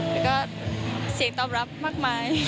แล้วก็เสียงตอบรับมากมาย